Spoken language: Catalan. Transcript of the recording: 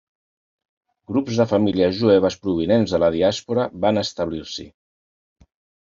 Grups de famílies jueves provinents de la diàspora van establir-s'hi.